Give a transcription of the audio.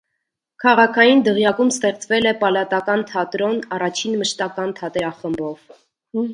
Քաղաքային դղյակում ստեղծվել է պալատական թատրոն՝ առաջին մշտական թատերախմբով։